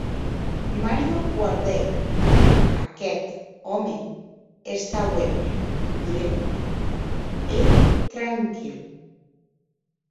Mario guardèc ad aqueth òme; estaue lugubre e tranquil.